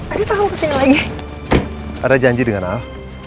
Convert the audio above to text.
ada paham kesini lagi ada janji dengan al